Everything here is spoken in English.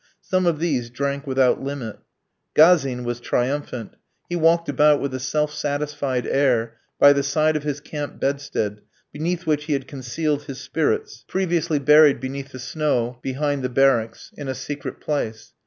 Some of these drank without limit. Gazin was triumphant. He walked about with a self satisfied air, by the side of his camp bedstead, beneath which he had concealed his spirits, previously buried beneath the snow behind the barracks, in a secret place.